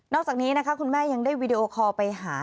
อกจากนี้นะคะคุณแม่ยังได้วีดีโอคอลไปหา